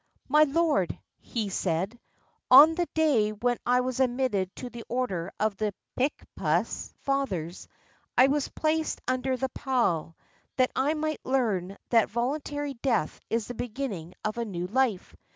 "My lord," he said, "on the day when I was admitted to the order of the Picpus Fathers, I was placed under the pall, that I might learn that voluntary death is the beginning of a new life.